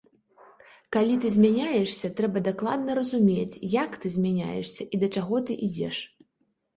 Калі ты змяняешся, трэба дакладна разумець, як ты змяняешся і да чаго ты ідзеш.